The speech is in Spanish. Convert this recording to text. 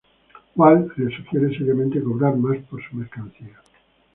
Walt le sugiere seriamente cobrar más por su mercancía.